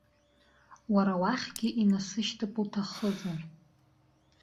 Уара уахьгьы инасышьҭып уҭахызар.